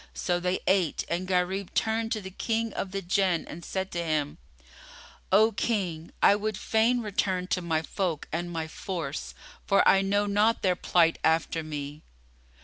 So they ate and Gharib turned to the King of the Jann and said to him, "O King, I would fain return to my folk and my force; for I know not their plight after me."